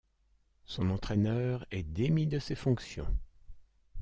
Son entraîneur est démis de ses fonctions.